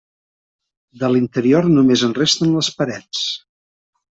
De l'interior només en resten les parets.